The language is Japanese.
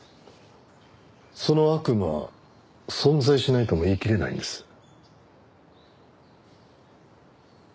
その悪魔存在しないとも言いきれないんです。